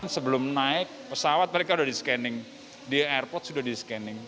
sebelum naik pesawat mereka sudah di scanning di airport sudah di scanning